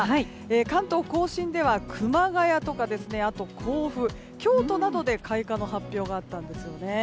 関東・甲信では熊谷とか甲府京都などで開花の発表があったんですよね。